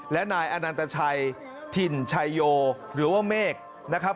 และนายอนันตชัยถิ่นชัยโยหรือว่าเมฆนะครับ